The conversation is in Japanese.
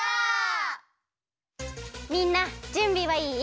みんなじゅんびはいい？